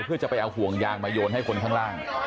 เพื่อจะไปเอาห่วงยางมาโยนให้คนข้างล่าง